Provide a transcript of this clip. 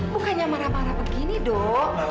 bukannya marah marah begini dok